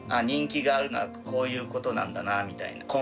人気があるのはこういうことなんだなみたいな。